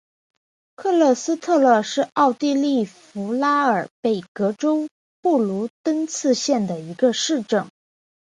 克勒施特勒是奥地利福拉尔贝格州布卢登茨县的一个市镇。